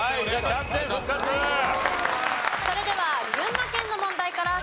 それでは群馬県の問題から再開です。